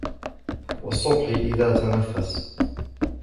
والصبح إذا تنفس